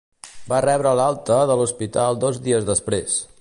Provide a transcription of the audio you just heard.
Va rebre l'alta de l'hospital dos dies després.